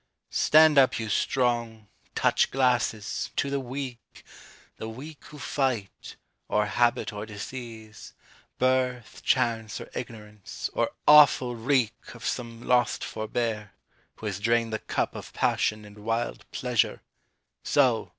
Stand up, you Strong! Touch glasses! To the Weak! The Weak who fight : or habit or disease, Birth, chance, or ignorance — or awful wreak Of some lost forbear, who has drained the cup Of pagsion and wild pleasure ! So